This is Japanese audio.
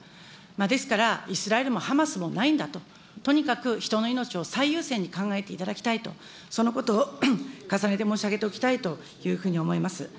ですから、イスラエルもハマスもないんだと、とにかく人の命を最優先に考えていただきたいと、そのことを重ねて申し上げておきたいというふうに思います。